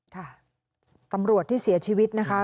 ค่ะตำรวจที่เสียชีวิตนะคะ